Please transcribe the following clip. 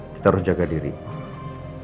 kita harus jaga dirimu